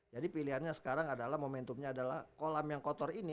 jadi pilihannya sekarang adalah momentumnya adalah kolam yang kotor ini